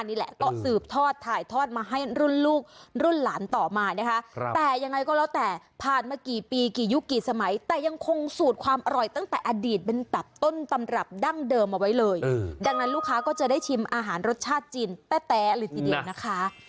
นี่แหละก็สืบทอดถ่ายทอดมาให้รุ่นลูกรุ่นหลานต่อมานะคะแต่ยังไงก็แล้วแต่ผ่านมากี่ปีกี่ยุคกี่สมัยแต่ยังคงสูตรความอร่อยตั้งแต่อดีตเป็นแบบต้นตำรับดั้งเดิมเอาไว้เลยดังนั้นลูกค้าก็จะได้ชิมอาหารรสชาติจีนแต๊ะเลยทีเดียวนะคะ